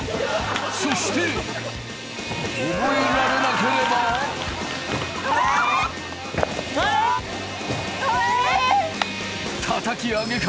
そして覚えられなければ叩き上げか？